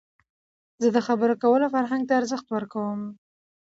زه د خبرو کولو فرهنګ ته ارزښت ورکوم.